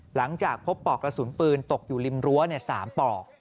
หลังจากพบปอกกระสุนปืนตกอยู่ริมรั้ว๓ปลอก